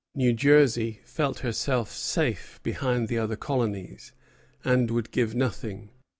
New Jersey felt herself safe behind the other colonies, and would give nothing.